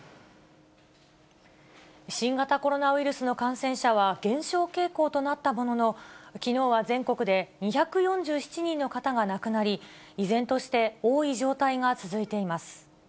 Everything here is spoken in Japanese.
新型コロナウイルスの感染者は減少傾向となったものの、きのうは全国で２４７人の方が亡くなり、依然として多い状態が続いています。